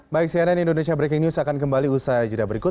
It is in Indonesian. baik cnn indonesia breaking news akan kembali usai jeda berikut